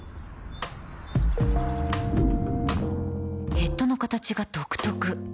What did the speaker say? ヘッドの形が独特